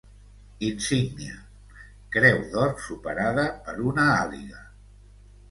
Insígnia: creu d'or superada per una àliga.